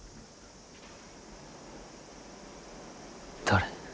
誰。